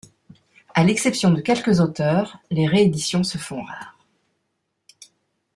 À l'exception de quelques auteurs, les rééditions se font rares.